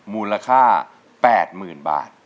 มูลค่า๘๐๐๐บาท